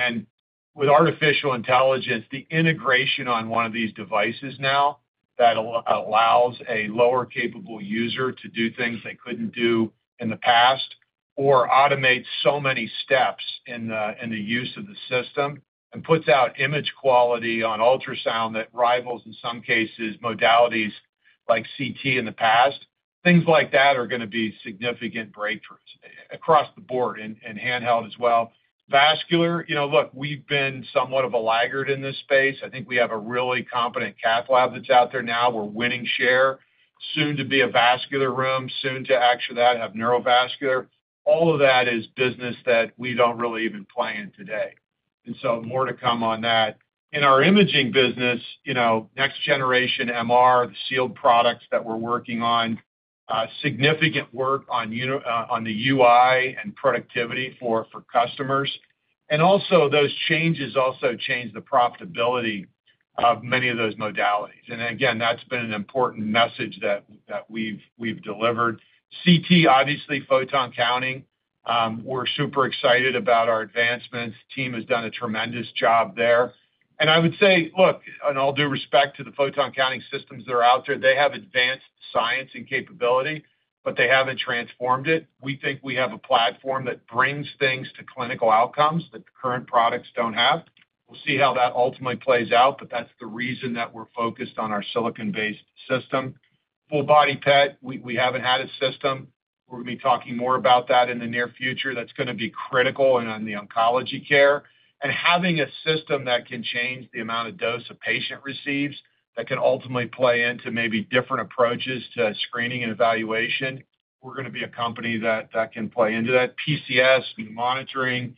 With artificial intelligence, the integration on one of these devices now that allows a lower-capable user to do things they couldn't do in the past or automate so many steps in the use of the system and puts out image quality on ultrasound that rivals in some cases modalities like CT in the past, things like that are going to be significant breakthroughs across the board and handheld as well. Vascular, look, we've been somewhat of a laggard in this space. I think we have a really competent cath lab that's out there now. We're winning share. Soon to be a vascular room, soon to actually have neurovascular. All of that is business that we don't really even play in today. More to come on that. In our imaging business, next-generation MR, the sealed products that we're working on. Significant work on the UI and productivity for customers. Also, those changes also change the profitability of many of those modalities. Again, that's been an important message that we've delivered. CT, obviously, photon counting. We're super excited about our advancements. Team has done a tremendous job there. I would say, look, and all due respect to the photon counting systems that are out there. They have advanced science and capability, but they have not transformed it. We think we have a platform that brings things to clinical outcomes that current products do not have. We will see how that ultimately plays out, but that is the reason that we are focused on our silicon-based system. Full-body PET, we have not had a system. We are going to be talking more about that in the near future. That is going to be critical in oncology care. Having a system that can change the amount of dose a patient receives, that can ultimately play into maybe different approaches to screening and evaluation. We are going to be a company that can play into that. PCS, monitoring,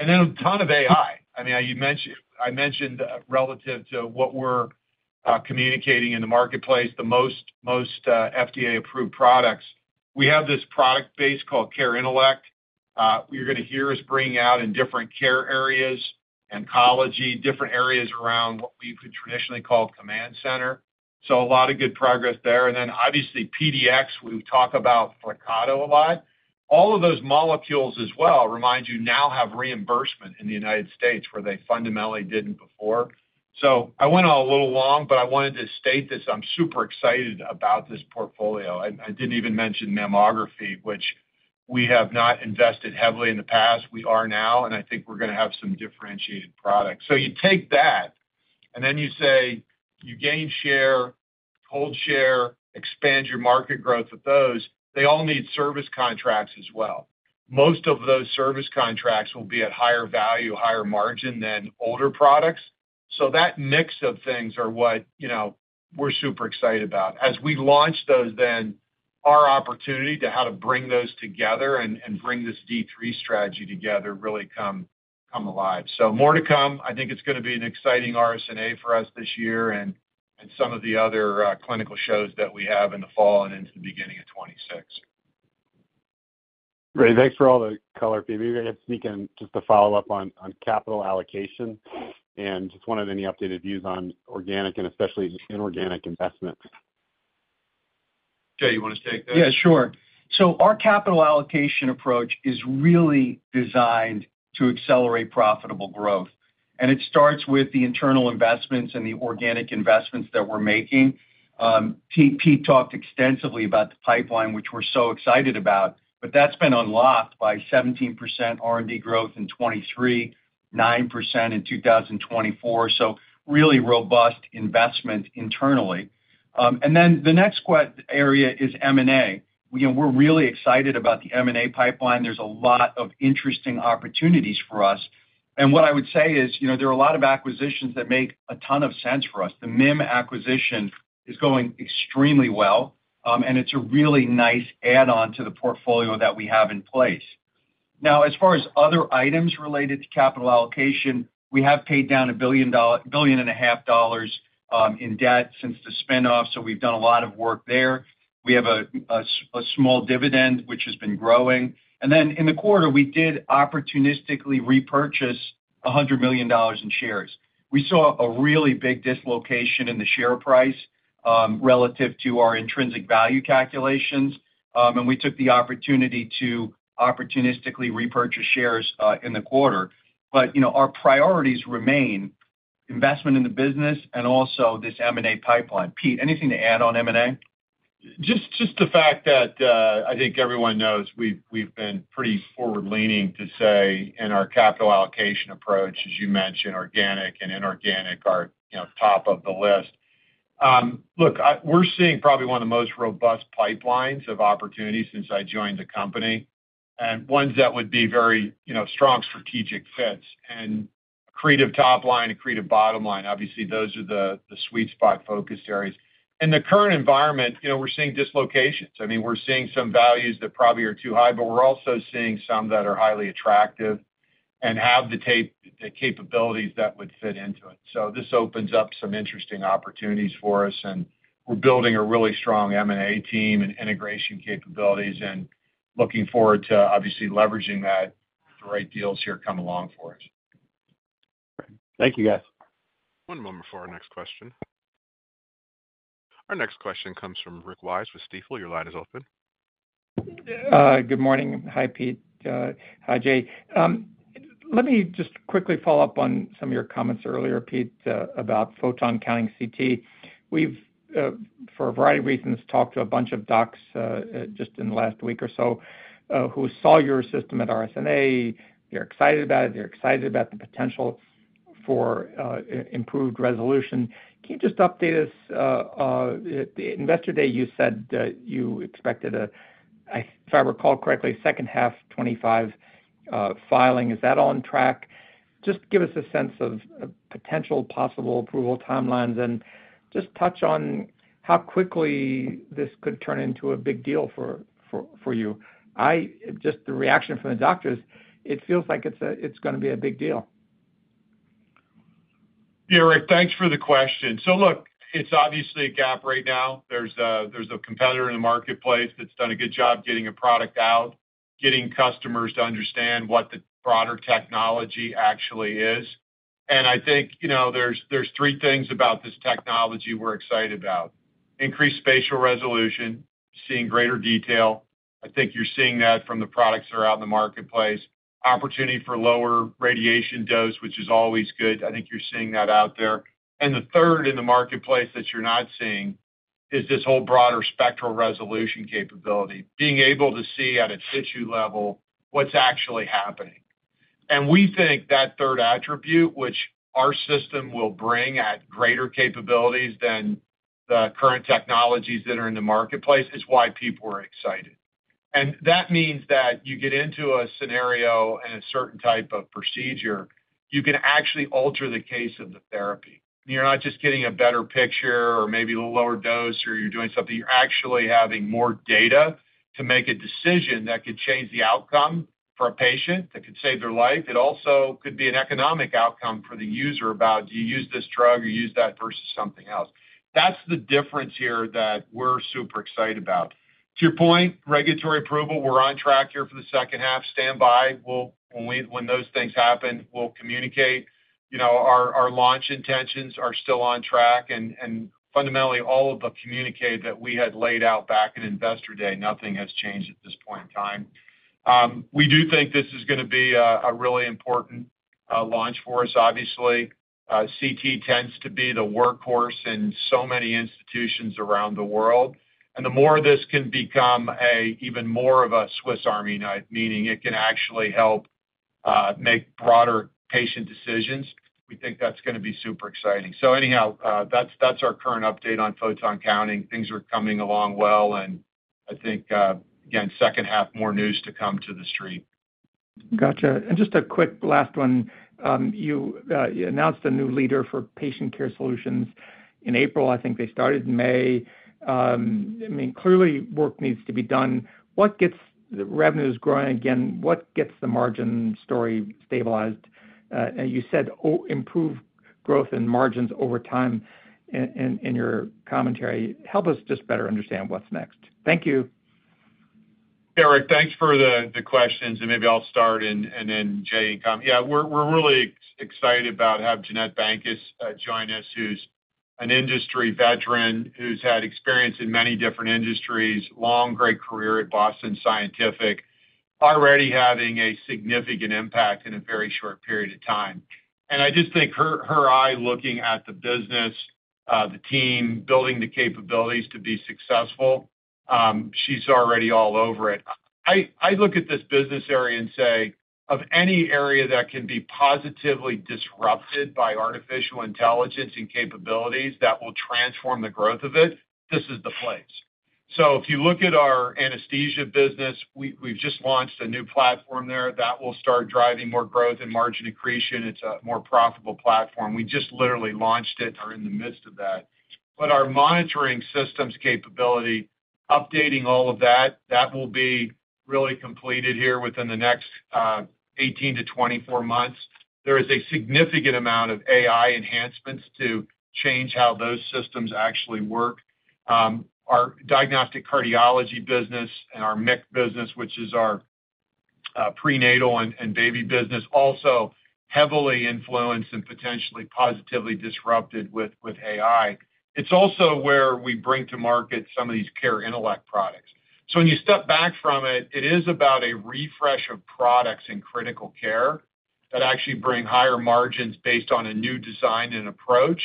and then a ton of AI. I mean, I mentioned relative to what we are communicating in the marketplace, the most FDA-approved products. We have this product base called Care Intellect. You are going to hear us bring out in different care areas, oncology, different areas around what we could traditionally call command center. A lot of good progress there. Obviously, PDX, we talk about FRCATO a lot. All of those molecules as well, remind you, now have reimbursement in the United States where they fundamentally did not before. I went on a little long, but I wanted to state this. I am super excited about this portfolio. I did not even mention mammography, which we have not invested heavily in the past. We are now, and I think we are going to have some differentiated products. You take that, and then you say you gain share, hold share, expand your market growth with those. They all need service contracts as well. Most of those service contracts will be at higher value, higher margin than older products. That mix of things is what we are super excited about. As we launch those, then our opportunity to bring those together and bring this D3 strategy together really comes alive. More to come. I think it is going to be an exciting RSNA for us this year and some of the other clinical shows that we have in the fall and into the beginning of 2026. Great. Thanks for all the color, Phoebe. We're going to speak in just a follow-up on capital allocation and just wanted any updated views on organic and especially inorganic investments. Jay, you want to take that? Yeah, sure. Our capital allocation approach is really designed to accelerate profitable growth. It starts with the internal investments and the organic investments that we're making. Pete talked extensively about the pipeline, which we're so excited about, but that's been unlocked by 17% R&D growth in 2023, 9% in 2024. Really robust investment internally. The next area is M&A. We're really excited about the M&A pipeline. There's a lot of interesting opportunities for us. What I would say is there are a lot of acquisitions that make a ton of sense for us. The MIM Software acquisition is going extremely well, and it's a really nice add-on to the portfolio that we have in place. Now, as far as other items related to capital allocation, we have paid down $1.5 billion in debt since the spinoff. We've done a lot of work there. We have a small dividend, which has been growing. In the quarter, we did opportunistically repurchase $100 million in shares. We saw a really big dislocation in the share price relative to our intrinsic value calculations. We took the opportunity to opportunistically repurchase shares in the quarter. Our priorities remain investment in the business and also this M&A pipeline. Pete, anything to add on M&A? Just the fact that I think everyone knows we've been pretty forward-leaning to say in our capital allocation approach, as you mentioned, organic and inorganic are top of the list. Look, we're seeing probably one of the most robust pipelines of opportunities since I joined the company and ones that would be very strong strategic fits and accretive top line and accretive bottom line. Obviously, those are the sweet spot-focused areas. In the current environment, we're seeing dislocations. I mean, we're seeing some values that probably are too high, but we're also seeing some that are highly attractive and have the capabilities that would fit into it. This opens up some interesting opportunities for us. We're building a really strong M&A team and integration capabilities and looking forward to obviously leveraging that if the right deals here come along for us. Thank you, guys. One moment for our next question. Our next question comes from Rick Wise with Stifel. Your line is open. Good morning. Hi, Pete. Hi, Jay. Let me just quickly follow up on some of your comments earlier, Pete, about photon counting CT. We've, for a variety of reasons, talked to a bunch of docs just in the last week or so who saw your system at RSNA. They're excited about it. They're excited about the potential for improved resolution. Can you just update us? Investor Day, you said you expected a, if I recall correctly, second half 2025 filing. Is that on track? Just give us a sense of potential possible approval timelines and just touch on how quickly this could turn into a big deal for you. Just the reaction from the doctors, it feels like it's going to be a big deal. Yeah, Rick, thanks for the question. Look, it's obviously a gap right now. There's a competitor in the marketplace that's done a good job getting a product out, getting customers to understand what the broader technology actually is. I think there's three things about this technology we're excited about: increased spatial resolution, seeing greater detail. I think you're seeing that from the products that are out in the marketplace. Opportunity for lower radiation dose, which is always good. I think you're seeing that out there. The third in the marketplace that you're not seeing is this whole broader spectral resolution capability, being able to see at a tissue level what's actually happening. We think that third attribute, which our system will bring at greater capabilities than the current technologies that are in the marketplace, is why people are excited. That means that you get into a scenario and a certain type of procedure, you can actually alter the case of the therapy. You're not just getting a better picture or maybe a lower dose or you're doing something. You're actually having more data to make a decision that could change the outcome for a patient that could save their life. It also could be an economic outcome for the user about, "Do you use this drug or use that versus something else?" That's the difference here that we're super excited about. To your point, regulatory approval, we're on track here for the second half. Stand by. When those things happen, we'll communicate. Our launch intentions are still on track. Fundamentally, all of the communicated that we had laid out back at Investor Day, nothing has changed at this point in time. We do think this is going to be a really important launch for us, obviously. CT tends to be the workhorse in so many institutions around the world. The more this can become even more of a Swiss Army knife, meaning it can actually help make broader patient decisions. We think that's going to be super exciting. Anyhow, that's our current update on photon counting. Things are coming along well. I think, again, second half, more news to come to the street. Gotcha. And just a quick last one. You announced a new leader for Patient Care Solutions in April. I think they started in May. I mean, clearly, work needs to be done. What gets the revenues growing again? What gets the margin story stabilized? And you said improve growth and margins over time. In your commentary, help us just better understand what's next. Thank you. Rick, thanks for the questions. Maybe I'll start and then Jay can come. Yeah, we're really excited about having Jeannette Bankes join us, who's an industry veteran who's had experience in many different industries, long, great career at Boston Scientific. Already having a significant impact in a very short period of time. I just think her eye looking at the business, the team, building the capabilities to be successful. She's already all over it. I look at this business area and say, of any area that can be positively disrupted by artificial intelligence and capabilities that will transform the growth of it, this is the place. If you look at our anesthesia business, we've just launched a new platform there that will start driving more growth and margin accretion. It's a more profitable platform. We just literally launched it and are in the midst of that. Our monitoring systems capability, updating all of that, that will be really completed here within the next 18-24 months. There is a significant amount of AI enhancements to change how those systems actually work. Our diagnostic cardiology business and our MIC business, which is our prenatal and baby business, also heavily influenced and potentially positively disrupted with AI. It's also where we bring to market some of these care intellect products. When you step back from it, it is about a refresh of products in critical care that actually bring higher margins based on a new design and approach.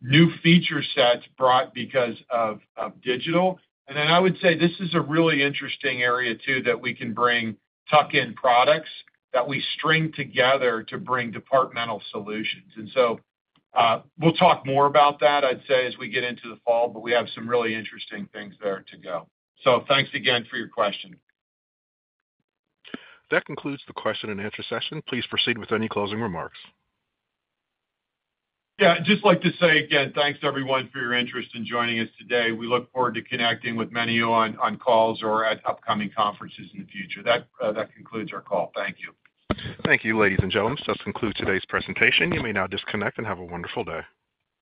New feature sets brought because of digital. I would say this is a really interesting area too that we can bring tuck-in products that we string together to bring departmental solutions. We'll talk more about that, I'd say, as we get into the fall, but we have some really interesting things there to go. Thanks again for your question. That concludes the question and answer session. Please proceed with any closing remarks. Yeah, I'd just like to say again, thanks everyone for your interest in joining us today. We look forward to connecting with many of you on calls or at upcoming conferences in the future. That concludes our call. Thank you. Thank you, ladies and gentlemen. That concludes today's presentation. You may now disconnect and have a wonderful day.